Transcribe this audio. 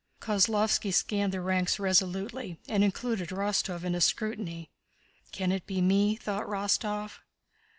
Kozlóvski scanned the ranks resolutely and included Rostóv in his scrutiny. "Can it be me?" thought Rostóv.